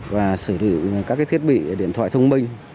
và sử dụng các thiết bị điện thoại thông minh